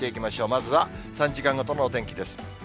まずは３時間ごとのお天気です。